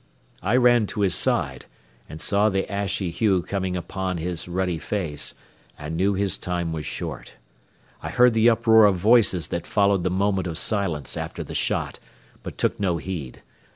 I ran to his side, and saw the ashy hue coming upon his ruddy face, and knew his time was short. I heard the uproar of voices that followed the moment of silence after the shot, but took no heed.